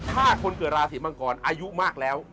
ถ้าคนเกิดราศีมังกรอายุมากแล้ว